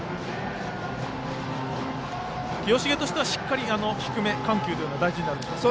清重としてはしっかり低め緩急というのが大事になるでしょうか。